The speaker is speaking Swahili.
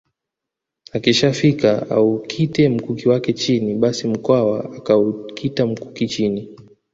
Akishafika aukite mkuki wake chini basi Mkwawa akaukita mkuki chini